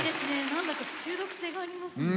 何だか中毒性がありますね。